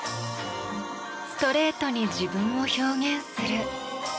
ストレートに自分を表現する。